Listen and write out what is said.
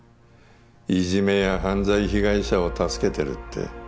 いじめや犯罪被害者を助けてるって。